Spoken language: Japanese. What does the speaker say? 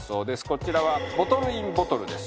こちらはボトルインボトルです。